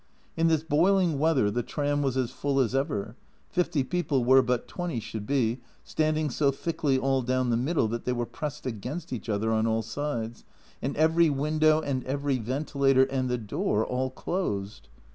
In this boiling weather the tram was as full as ever, 50 people where but 20 should be, standing so thickly all down the middle that they were pressed against each other on all sides, and every window and every ventilator and the door all closed